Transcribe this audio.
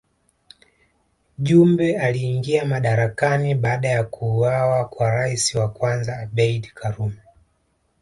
Jumbe aliingia madarakani baada ya kuuawa kwa rais wa kwanza Abeid Karume